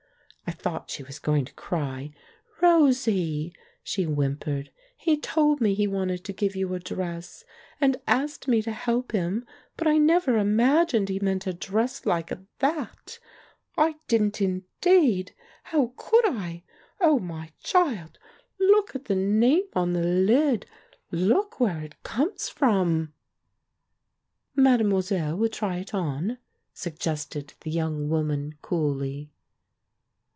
I thought she was going to cry. "Rosie," she whimpered, "he told me he wanted to give you a dress, and asked me to help him, but I never imagined he meant a dress like that ; I didn't in deed! How could I? Oh, my child, look at the name on the lid — look where it comes from!" 216 THE MAN WHO UNDERSTOOD WOMEN "Mademoiselle will try it on?" suggested the young woman coolly.